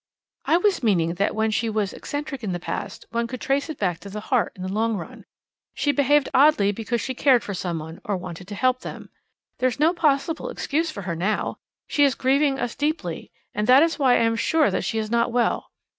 "I was meaning that when she was eccentric in the past, one could trace it back to the heart in the long run. She behaved oddly because she cared for someone, or wanted to help them. There's no possible excuse for her now. She is grieving us deeply, and that is why I am sure that she is not well.